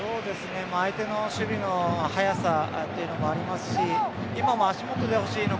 相手の守備の速さというのもありますし今も足元にほしいのか